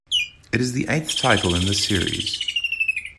It is the eighth title in the series.